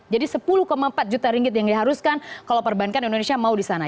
jadi sepuluh empat juta ringgit yang diharuskan kalau perbankan indonesia mau di sana